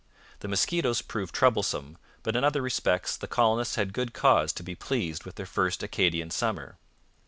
The mosquitoes proved troublesome, but in other respects the colonists had good cause to be pleased with their first Acadian summer.